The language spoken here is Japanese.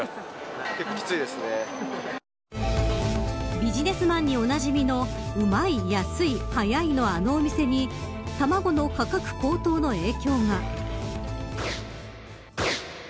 ビジネスマンにおなじみのうまい、やすい、はやいのあのお店に卵の価格高騰の影響が。